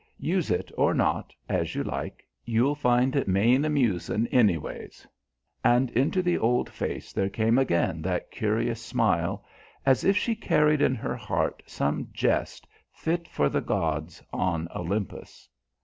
"Use it or not as you like. You'll find it main amusin', anyways." And into the old face there came again that curious smile as if she carried in her heart some jest fit for the gods on Olympus.